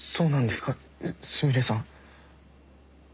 すみれさん